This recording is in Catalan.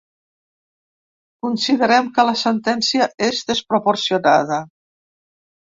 Considerem que la sentència és desproporcionada.